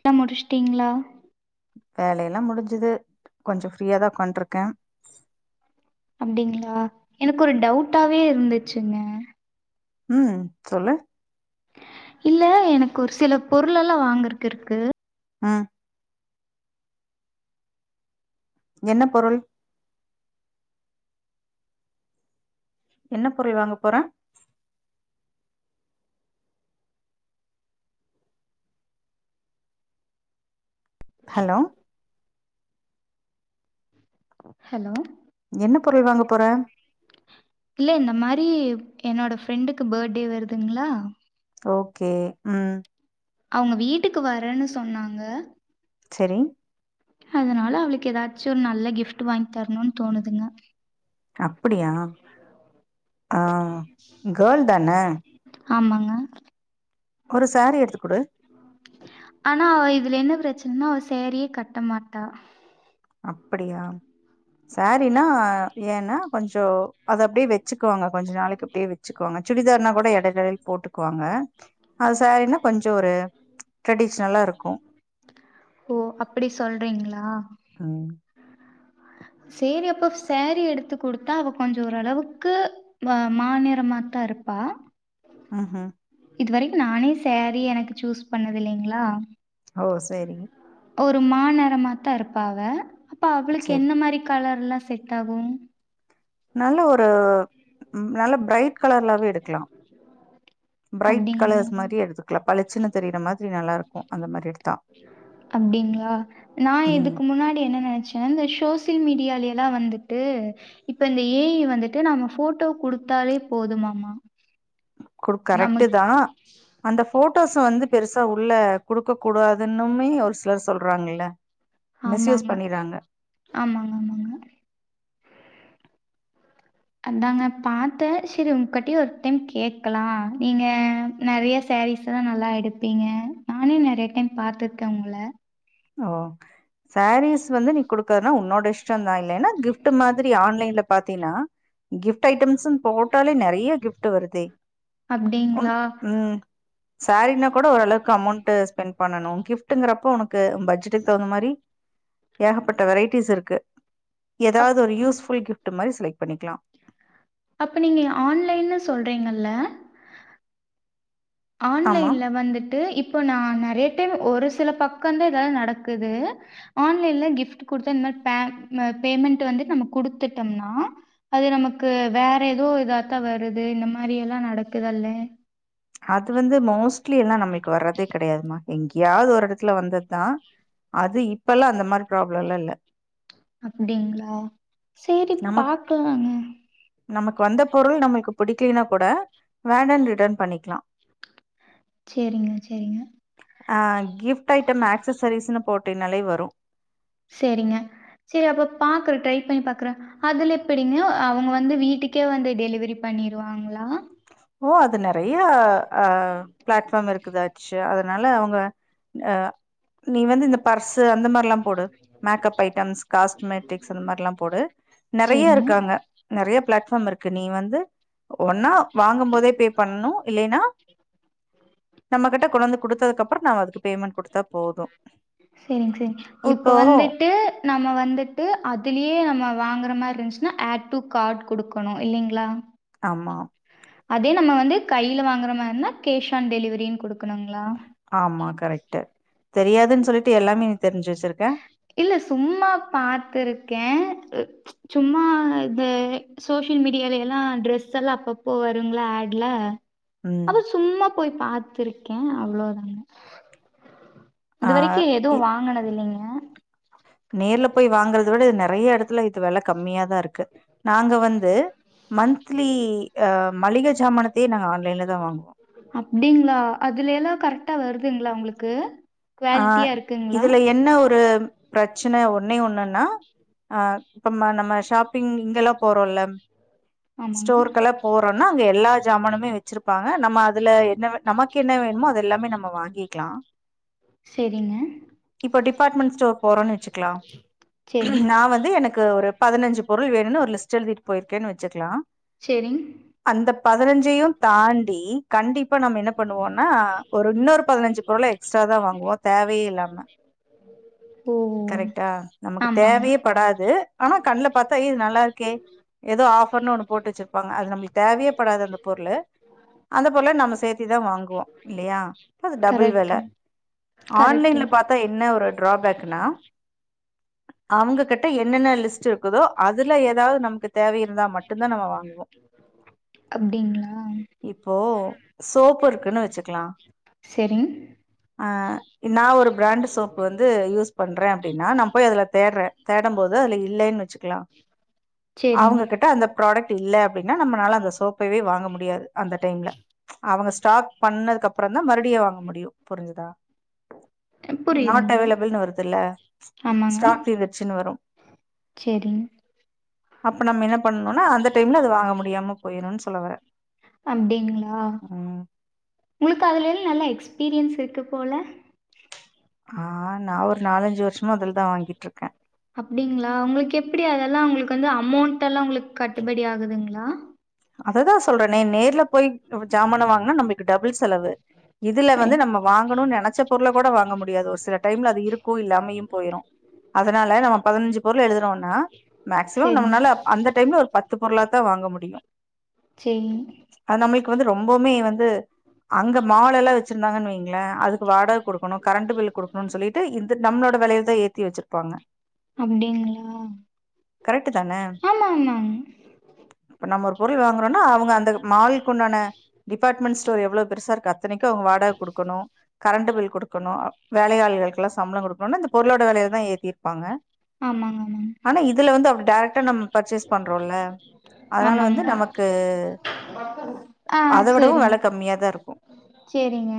ல்லா முடிச்ட்டீங்ளா வேலை எல்லா முடிஞ்சுது கொஞ்சோ ஃப்ரீயாதா உக்காண்ட்ருக்கே அப்டிங்ளா எனக்கு ஒரு டவுட்டாவே இருந்துச்சுங்க ம் சொல்லு இல்ல எனக்கு ஒரு சில பொருள் எல்லா வாங்கற்க்கு இர்க்கு ஆ என்ன பொருள் என்ன பொருள் வாங்க போற ஹலோ ஹலோ என்ன பொருள் வாங்க போற இல்ல இந்த மாரி என்னோட ஃப்ரெண்டுக்கு பேட்டே வருதுங்ளா ஓகே ம் அவுங்க வீட்டுக்கு வரன்னு சொன்னாங்க செரி அதனால அவுளுக்கு எதாச்சு ஒரு நல்ல கிஃப்ட் வாங்கி தர்ணுன் தோணுதுங்க அப்பிடியா அ கேள் தான ஆமாங்க ஒரு சாரீ எடுத்து குடு ஆனா இதுல என்ன ப்ரெச் ன்னா அவ சேரியே கட்ட மாட்டா அப்படியா சேரினா ஏனா கொஞ்சொ அது அப்டே வெச்சுக்குவாங்க கொஞ்ச நாளைக்கு அப்டியே வெச்சுக்குவாங்க சுடிதார்னா கூட எடைல் எடைல் போட்டுக்குவாங்க அது சேரின்னா கொஞ்சொ ஒரு ட்ரடிஷ்னலாருக்கு ஓ அப்டி சொல்றீங்களா ம் சேரி அப்பவ் சேரி எடுத்து குடுத்தா அவ கொஞ்சொ ஒரளவுக்கு வ மா நெறமாத்தாரு ப்பா ம் ஹு இது வரைக்கு நானே சேரி எனக்கு சூஸ் பண்ணது இல்லைங்ளா ஓ சேரி ஒரு மா நெறமாத்தா இருப்பா அவ அப்ப அவளுக்கு செரி என்ன மாரி கல ல்லா செட் ஆகு நல்ல ஒரு நல்ல பிரைட் கலர்லாவே எடுக்லா ப்ரைட் அப்டிங்களா கலர்ஸ் மாரி எடுத்துக்லா பளிச்சின்னு தெரியிற மாதிரி நல்லாருக்கு அந்த மாரி எடுத்தா அப்டிங்ளா நா ம் இதுக்கு முன்னாடி என்ன நெனைச்சேனா இந்த ஷோ சியல் மீடியாலை எல்லா வந்துட்டு இப்ப இந்த ஏ ஐ வந்துட்டு நாம ஃபோட்டோவ குடுத்தாலே போது ஆமா கு கரெக்ட்டு தா அந்த ஃபோ ட்டோஸ வந்து பெருசா உள்ள குடுக்க கூடாதுன்னுமே ஒரு சிலர் சொல்றாங்கள்ல ஆமாங்க ஆமாங்க ஆமாங்க அதாங்க பாத்தே செரி உங்கட்டியு ஒரு டைம் கேக்கலா நீங்க நறைய சே ரீஸ்லா நல்லா எடுப்பீங்க நானு நெறைய டைம் பாத்துக்கே உங்கள ஓ சேரீஸ் வந்து நீ குடுக்கறதுனா உன்னோட இஷ்டந்தா இல்லைனா கிஃப்ட் மாதிரி ஆன்லைன்ல பாத்தீனா கிஃப்ட் ஐட்டம்ஸ்ஸு போட்டாலே நெறைய கிஃப்ட் வருதே உன் அப்டிங்களா? ம் சேரீனா கூட ஒரளவுக்கு அமௌண்ட்டு ஸ்பெண் பண்ணணு கிஃப்ட்டுங்றப்ப உனக்கு பட்ஜெட்டுக் தவுந்த மாரி ஏகப்பட்ட வெரைட்டிஸ் இருக்கு அப் எதாவது ஒரு யூஸ்ஃபுல் கிஃப் ட்டு மாரி செலக் பண்ணிக்லா அப்ப நீங்க ஆன்லைன்னு சொல்றீங்கள்ல ஆமா ஆன்லைன்ல வந்துட்டு இ ப்போ நா நெறைய டைமு ஒரு சில பக்கந்தா எதாது நடக்குது ஆன்லைன்ல கிஃப்ட் குடுத்தா ந ப்பே ம பேமெண்டு வந்துட் நம்ம குடுத்துட்டம்னா அது நமக்கு வேற எதோ இதா த்தா வருது இந்த மாரியெல்லா நடக்குதல்லே அது வந்து மோஸ்ட்லி எல்லா நம்மள்க்கு வர்றதே கெடையாதுமா எங்கியாவ்து ஒரு எடத்துல வந்தத்தா அது இப்பெல்லா அந்த மாரி ப்ராப்ளல்லா இல்ல அப்டிங்ளா சேரி நமக் பாக்கலாங்க நமக்கு வந்த பொருள் நம்மள்க்கு பிடிக்கலைனா கூட வேண்டான் ரிட்டன் பண்ணிக்லா சேரிங்க சேரிங்க அ கிஃப்ட் ஐட்டம் ஏக்ஸசரிஸ்னு போட்டீனாலே வரு சேரிங்க சேரி அப்ப பாக்குற ட்ரை பண்ணி பாக்குற அதுல எப்படிங்க அவுங்க வந்து வீட்டுக்கே வந்து டெலிவரி பண் பண்ணிருவாங்ளா ஓ அது நெறைய அ பிளாட்ஃபார்ம் இருக்குது அச்சா அதனால அவுங்க அ நீ வந்து இந்த பர்ஸு அந்த மாரில்லா போடு மேக்கப் ஐட்டம்ஸ் காஸ்ட்மேடிக்ஸ் அந்த மாரில்லா போடு நெறைய சரிங்க. இருக்காங்க நெறைய ப்ளாட் ஃபார்ம் இருக்கு நீ வந்து ஒன்னா வாங்கும் போதே பே பண்ணு இல்லேனா நம்ம கட்ட கொண்டந்து குடுத்ததுக்கப்ற நாம அதுக்கு பேமெண்ட் குடுத்தா போது சேரிங் சேரி இப்போ இப்ப வந்துட்டு நம்ம வந்துட்டு அதுலயே நம்ம வாங்ற மார்ருந்துச்சுன்னா ஆட் டூ கார்ட் குடுக்கணு இல்லிங்ளா ஆமா அதே நம்ம வந்து கைய்ல வாங்ற மாரினா கேஷ் ஆன் டெலிவரினு கொடுக் ஆமா கரெக்ட்டு தெரியாதுன் சொல்லிட்டு எல்லாமே தெரிஞ்சு வச்சிருக்க இல்ல சும்மா பாத்துருக்கே சும்மா இந்த சோசியல் மீடியால எல்லா ட்ரெஸ் எல்லா அப்பப்போ வருங்களா ஆட்ல ம் அது சும்மா போய் பார்த்திருக்கே அவ்ளோதாங்க ஆ இது வரைக்கு எதுவு இ வாங்கனது இல்லிங்க நேர்ல போய் வாங்கறத விட நெறைய எடத்துல இது வெல கம்மியாதா இருக்கு நாங்க வந்து மந்த்லி அ மளிக ஜாமானத்தையே நாங்க ஆன்லைன்லதா வாங்குவோ அப்டிங்ளா அதுல எல்லா கரெட்டா வருதுங்ளா உங்ளுக்கு ஆ இதுல என்ன ஒரு ப்ரச் சன ஒன்னே ஒன்னுனா பம்ம நம்ம ஷாப்பிங் இங்கெல்லா போறோல்ல ஆமாங்க ஸ்டோருகல்லா போறோனா அங்க எல்லா ஜாமானுமே வச்சிருப்பா நம்ம அதுல என்னவ நமக்கென்ன வேணுமோ அது எல்லாமே நம்ம வாங்கிக்லா சேரிங்க இப்போ டிபார்ட்மண்ட் ஸ்டோர் போறோன்னு வச்சிக்கிலா செரிங் நா வந்து எனக்கு ஒரு பதினஞ்சி பொருள் வேனுன்னு ஒரு லிஸ்ட் எழுதிட்டு போயிருக்கேன்னு வச்சிக்லா சேரிங் பதினஞ்சையு தாண்டி கண்டிப்பா நம்ம என்ன பண்ணுவோன்னா ஒரு இன்னொரு பதினஞ்சி பொருள எக்ஸ்ட்ராதா வாங் வோ தேவயே இல்லாம ஓ கரெக்டா நமக்கு ஆமாங்க தேவயே படாது ஆனா கண்ல பாத்தா எ இது நல்லா இருக்கே ஏதோ ஆஃபர்னு ஒன்னு போட்டு வச்சிர்ப்பாங்க அது நம்ளுக்கு தேவயே படாது அந்த பொருளு அந்த பொருள நம்ம சேத்திதா வாங்குவோ இல்லையா அது டபுள் வெல கரெக்ட்டு கரெக்ட்டு ஆன்லைன்ல பாத்தா என்ன ஒரு ட்ராபேக்னா அவுங்க கெட்ட என் என்னன்ன லிஸ்ட்டு இருக்குதோ அதுல ஏதாவது நமக்கு தேவை இருந்தா மட்டுதா நம்ம வா அப் இப்போ சோப்பு இருக்குன்னு வச்சிக்லா செரிங் அ நா ஒரு ஃப்ரான்டு சோப்பு வந்து யூஸ் பண்றே அப்டின்னா நா போய் அதுல தேட்றே தேடம் போது அதுல இல்லைன்னு வச்சுக்லா செரிங் அவுங்க கெட்ட அந்தப் ப்ராடக்ட் இல்ல அப்டின்னா நம்மளால அந்த சோப்பைவே வாங்க முடியாது அந்த டைம்ல அவங்க ஷ் ஸ்டாக் பண்ணதுக்கு அப்றோதா மறுடியு வாங்க முடியு புருஞ்சுதா நாட் புரியுதுங்க அவைலபிள்னு வருதுல்ல ஸ்டாக் தீந்துட்ச்சின்னு வரு சேரி அப்ப நம்ம என்ன பண்ணும்னா அந்த டைம்ல அது வாங்க முடியாம போய்ருனு ஸ் அப்டிங்ளா ம் உங்களுக்கு அதுலைல் நல்லா எக்ஸ் பீரியன்ஸ் இருக்கு போல ஆ நா ஒரு நாலஞ்சு வருஷமா அதுலதா வாங்கிட்டுருக்க அப்டிங்ளா உங்களுக்கு எப்டி அதெல்லா உங்களுக்கு வந்து அமௌண்ட் எல்லா உங்களுக் கட்டுபடி ஆகுதுங்ளா அததா சொல்றனே நேர்ல போய் ஜாமான்ன வாங்குனா நம்மளுக்கு டபுள் செலவு இதுல வந்து செரிங் நம்ம வாங்கணுனு நெனைச்ச பொருள கூட வாங்க முடியாது ஒரு சில டைம்ல அது இருக்கு இல்லாமையு போயிரு அதனால நம்ம பதினஞ்சி பொருள் எழுதுறோனா மேக்சிமம் செரிங் நம்மளால அப் அந்த டைம்ல ஒரு பத்து பொருளாது தா வாங்க முடியு செரி அது நமளுக்கு வந்து ரொம்பவுமே வந்து அங்க மேலெல்லா வச்சிருந்தாங்கன்னு வைங்கள அதுக்கு வாடக குடுக்கணு கரண்ட் பில் குடுக்கணுன் சொல்லி ட்டு இது நம்மளோட வெலையிலதா ஏத்தி வச்சிருப்பாங்க. அப்டிங்களா கரெக்ட்தான ஆமா ஆமாங்க ப்ப நம்ம ஒரு பொருள் வாங்குறோனா அவங்க அந்த மாலுக் உண்டான டிபார்ட்மெண்ட் ஸ்டோர் எவ்வளோ பெருசாருக்கா த்தனைக்கு அவங்க வாடக குடுக்கணு. கரண்ட் பில் குடுக்கணு வேலையாள்களுக்குல்லா சம்பளோ குடுக்கனுன்னா இந்த பொருளோட வெலையதா ஏத்திருப்பாங்க ஆமாங்க ஆமாங் டேரேக்ட்டா நம்ம பர்ச்சேஸ் பண்றோல அதனால வந்து ஆமாங்க நமக்கு அத விடவு வெல கம்மியாதா இருக்கு செரிங்க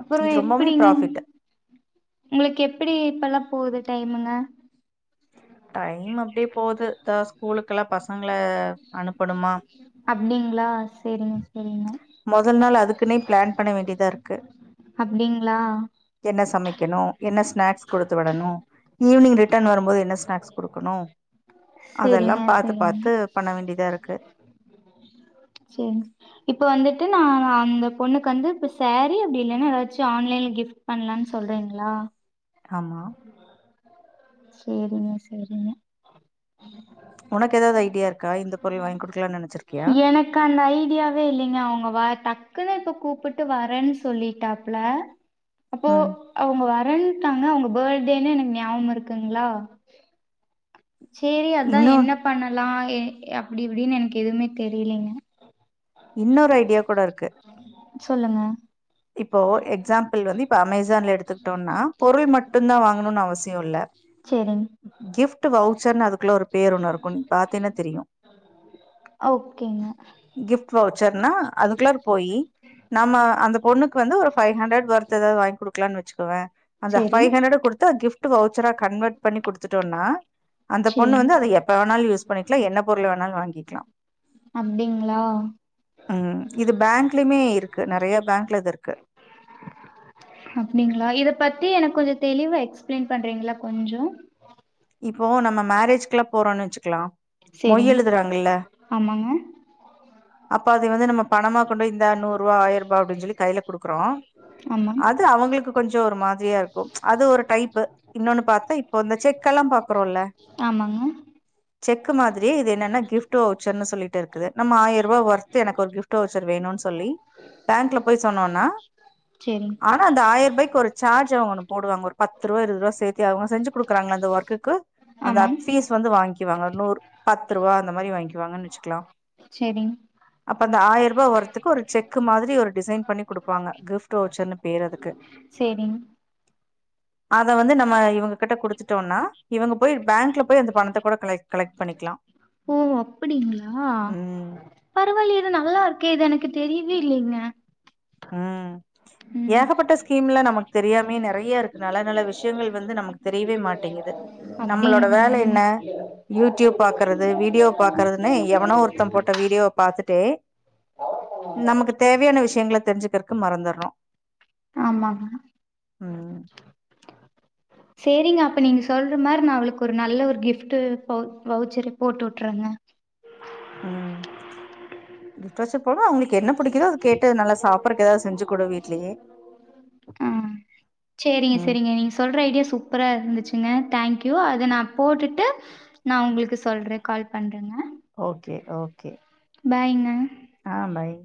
அப்பறோ இது ரொம்பவுமே எப்டிங்க ப்ராஃபிட் உங்களுக்கு எப்டி பல்லா போகுது டைம்முங்க டைம் அப்டியே போது தா ஸ்கூலுக் அப்டிங் ளா செரிங்க செரிங்க மொதல் நாள் அதுக்குன்னே பிளான் பண்ண வேண்டியதா இருக்கு அப்டிங் ங்ளா என்ன சமைக்கணு என்ன ஸ்நாக்ஸ் குடுத்துவிடணு ஈவினிங் ரிட்டர்ன் வரும்போது என்ன ஸ்நாக் ஸ் குடுக்கணு அதெல்லாம் ம் பாத் செரி இப்ப வந்துட்டு நானா அந்த பொண்ணுக்கு வந்து இப்ப சேரீ அப்டி இல்லைன்னா எதாச்சு ஆன்லைன்ல கிஃப்ட் பண்ணலானு சொல்றீங்ளா ஆமா செரிங்க செரிங்க உனக்கு ஏதாவது ஐடியா இருக்கா இந்த பொருள் வாங்கி குடுக்கலான்னு நெனச்சிருக்கியா எனக்கு அந்த ஐடியாவே இல்லைங்க அவங்க வ டக்குன்னு இப்பொ கூப்புட்டு வரேன்னு சொல்லிட்டாப்புல அப்போ ம் அவங்க வர ரன்ட்டாங்க அவங்க பேர்டேன்னு எனக்கு நியாவம் இருக்குங்ளா சேரி அதா இன்னு என்ன பண்ணலா எ அப்டி இப்டின்னு எனக்கு எதுவுமே தெரிய்லேங்க இன்னொரு ஐடியா கூட இருக்கு சொல்லுங்க இப்போ எக்ஸாம்பிள் வந்து இப்ப அமேசான்ல எடுத்துக்ட்டோனா பொருள் மட்டுந்தா வாங்கணுனு அவசியோ இல்ல சேரிங் கிஃப்ட் வவுச்சர்ன்னு அதுக்குள்ள ஒரு பேரு ஒன்னு இருக்கு நீ பாத்தேன்னா தெரியு ஓகேங்க கிஃப்ட் வவுச்சர்னா அதுக்குள்ளார போயி நாம அந்த ண்ணுக்கு வந்து ஒரு ஃபைவ் ஹண்ட்றட் ஒர்த் எதாது வாங்கி குடுக்கலானு வச்சுக்குவ அந்த சேரிங் ஃபைவ் ஹண்ட்றட் கொடுத்த கிஃப்ட் ட் வவுச்சரா கன்வெர்ட் பண்ணி குடுத்துட்டோனா அந்த பொண்ணு சேரிங் வந்து அத எப்ப வேணாலு யூஸ் பண்ணிக்கலா என்ன பொருள் வே ணாலு வாங்கிக்கலா அப்டிங்களா ம் இது பேங்க்லயுமே இருக்கு நெறைய பேங்க் அப்டிங்ளா இத பத்தி எனக்கு கொஞ்சொ தெளிவா எக்ஸ்பிளைன் பண்றீங்களா கொஞ்சோ இப்போ நம்ம மேரேஜ்க்கெல்லா போறோன்னு வச்சுக்கலா மொய் சேரிங் எழுதுறாங்கல்ல ஆமாங்க அப்ப அதை வந்து நம்ம பணமா கொண்டு போய் இந்தா நூறுவா ஆயிரூபா அப்டின்னு சொல்லி கையில குடுக்குறோ ஆமாங் அது அவங்களுக்கு கொஞ்சொ ஒரு மாதிரியா இருக்கும் அது ஒரு டைப் இன்னோன்னு பாத்த இப்ப இந்த செக்கெல்லா ம்பாக்குறோல [inaudible] செக்கு மாதிரி இது என்னன்னா கிஃப்ட் வவுச்சர்ன்னு சொல்லிக்ட்டு இருக்குது நம்ம ஆயிரூவா ஒர்த்து எனக்கு ஒரு கிஃப்ட் வவுச்சர் வேணு ன் சொல்லி பேங்க்ல போய் சொன்னோனா செரி ஆனா அந்த ஆயிர ரூபாய்க்கு சார்ஜ் அவங்க ஒன்னு போடுவாங்க ஒரு பத்து ரூவா இருவது ரூவா சேத்து அவங்க செஞ்சு கொடுக்குறாங்கள அந்த ஒர்க் குக்கு அந்த அ ஆமாங் ஃபீஸ் வந்து வாங்கிக்குவாங்க நூர் பத்து ரூவா அந்த மாரி வாங்கிக்குவாங்கன்னு வச்சுக்குலா செரி இப்ப அந்த ஆயிர ரூபா ஒர்க்கு ஒரு செக்கு மாதிரி ஒரு டிசைன் பண்ணி கொடுப்பாங்க கிஃப்ட ஓச்சர்ன்னு பேரு அதுக்கு செரிங் அத வந்து நம்ம இவங்க கிட்ட குடுத்துட்டோனா இவங்க போய் பேங்க்ல போய் அந்த பணத்த கூட கல கலெக்ட் பண்ணிக்கலா ஓ அப்படிங்களா ம் பரவா இல்லையே இது நல்லா இருக்கே இது எனக்கு தெரியவே இல்லைங்க ம் ம் ஏகப்பட்ட ஸ்கீம்ல நமக் தெரியாமையே நெறைய இருக்கு நல்ல நல்ல விஷயங்கள் வந்து நமக்கு தெரியவே மாட்டேங்குது நம்மளோட அப்டிங்களா வேல என்ன யூடியூப் பாக்குறது வீடியோ பாக்குறதுன்னு எவனோ ஒருத்த போட்ட வீடியோ பாத்துட்டு நமக்கு தேவையான விஷயங்கள தெரிஞ்சுக்கிறக்கு மறந்துடுறோ ஆமாங்க ம் சேரிங்க அப்ப நீங்க சொல்ற மாரி நா அவளுக்கு ஒரு நல்ல ஒரு கிஃப்டு வவ் வவுச்சரு போட்டு விட்டுறேங்க [inaudible] ம் கிஃப்ட் ஒசூர் கூட அவங்களுக்கு என்ன பிடிக்குதோ அது கேட்டு நல்லா சாப் அப்பறக் ஏதாவது செஞ்சு குடு வீட்லயே ஆ செரிங்க ம் செரிங்க நீங்க சொல்ற ஐடியா சூப் பரா இருந்துச்சுங்க தேங்க்யூ அத நா போட்டுட்டு நா உங்களுக்கு சொல்றே கால் பண்றேங்க ஓகே ஓகே பாய்ங்க ஆ பாய்